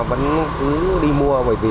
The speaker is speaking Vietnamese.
vẫn cứ đi mua bởi vì